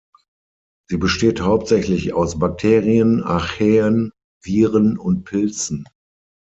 Sie besteht hauptsächlich aus Bakterien, Archaeen, Viren und Pilzen.